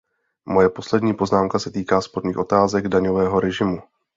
Moje poslední poznámka se dotýká sporných otázek daňového režimu.